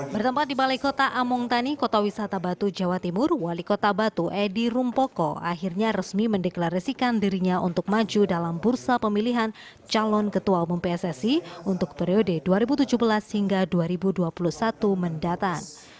bertempat di balai kota among tani kota wisata batu jawa timur wali kota batu edy rumpoko akhirnya resmi mendeklarasikan dirinya untuk maju dalam bursa pemilihan calon ketua umum pssi untuk periode dua ribu tujuh belas hingga dua ribu dua puluh satu mendatang